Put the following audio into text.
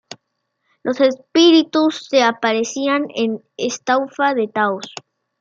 Los espíritus se aparecían en la estufa de Taos.